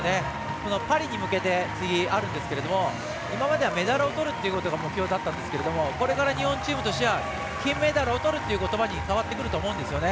このパリに向けて次あるんですけど今まではメダルをとるということが目標だったんですがこれから日本チームとしては金メダルを取るということに変わってくると思うんですよね。